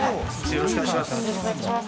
よろしくお願いします。